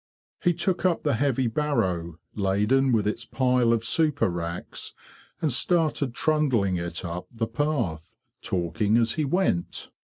He took up the heavy barrow, laden with its pile of super racks, and started trundling it up the path, talking as he went.